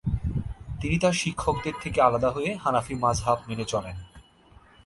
তিনি তাঁর শিক্ষকদের থেকে আলাদা হয়ে হানাফি মাযহাব মেনে চলেন ।